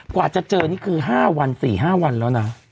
กว่าจะเจอนี่คือ๕วัน๔๕วันแล้วนะ